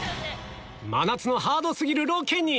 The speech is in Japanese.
真夏のハード過ぎるロケに